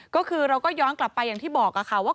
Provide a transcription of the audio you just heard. ก็คือเราก็ย้อนกลับไปอย่างที่บอกค่ะว่า